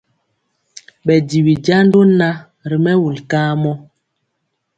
Ɓɛ jiwi jando na ri mɛwul kamɔ.